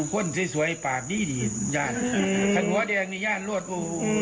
ข้นสวยสวยปากดี้ดิย่านอืมขันหัวแดงนี่ย่านรวดโอ้โหย่าน